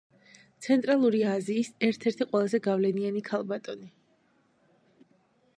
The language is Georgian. ცენტრალური აზიის ერთ-ერთი ყველაზე გავლენიანი ქალბატონი.